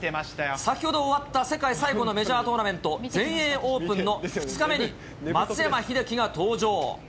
先ほど終わった世界最後のメジャートーナメント、全英オープンの２日目に、松山英樹が登場。